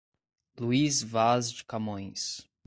Luís Vaz de Camões